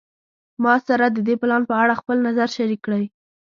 ما سره د دې پلان په اړه خپل نظر شریک کړی